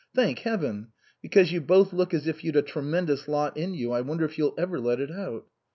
" Thank Heaven ! Because you both look as if you'd a tremendous lot in you. I wonder if you'll ever let it out."